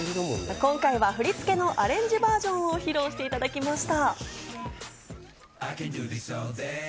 今回は振り付けのアレンジバージョンを披露していただきました。